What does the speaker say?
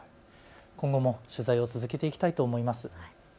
今後も取材を続けていきたいと思います。